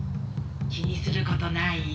気にすることないよ。